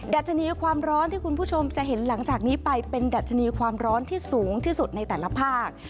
ัชนีความร้อนที่คุณผู้ชมจะเห็นหลังจากนี้ไปเป็นดัชนีความร้อนที่สูงที่สุดในแต่ละภาค